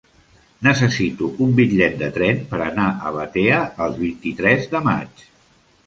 Necessito un bitllet de tren per anar a Batea el vint-i-tres de maig.